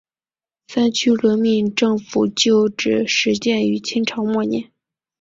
三区革命政府旧址始建于清朝末年。